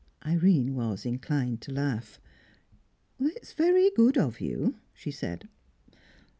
Irene was inclined to laugh. "It's very good of you." she said.